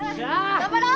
頑張ろう！